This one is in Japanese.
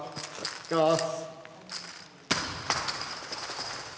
いきます。